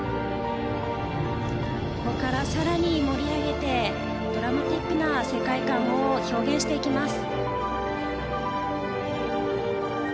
ここから更に盛り上げてドラマティックな世界観を表現していきます。